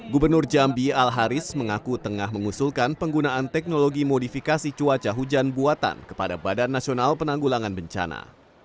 gubernur jambi al haris mengaku tengah mengusulkan penggunaan teknologi modifikasi cuaca hujan buatan kepada badan nasional penanggulangan bencana